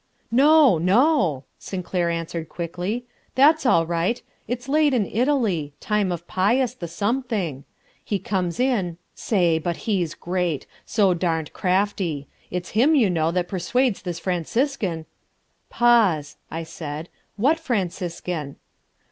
"No, no," Sinclair answered quickly, "that's all right. It's laid in Italy ... time of Pius the something. He comes in say, but he's great! so darned crafty. It's him, you know, that persuades this Franciscan...." "Pause," I said, "what Franciscan?"